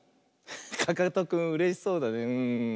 かかとくんうれしそうだねうん。